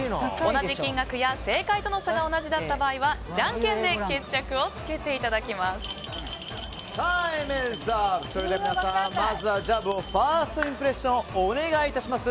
同じ金額や正解との差が同じだった場合はじゃんけんでそれでは皆さん、まずはファーストインプレッションお願いします。